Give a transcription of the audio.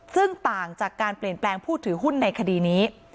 ซึ่งต่างจากการเปลี่ยนแปลงผู้ถือหุ้นในคดีนี้